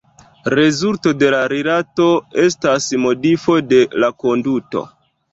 Rezulto de la rilato estas modifo de la konduto.